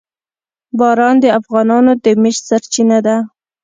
باران د افغانانو د معیشت سرچینه ده.